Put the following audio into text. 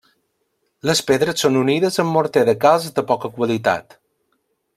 Les pedres són unides amb morter de calç de poca qualitat.